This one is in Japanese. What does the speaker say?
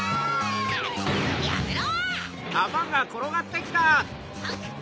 やめろ！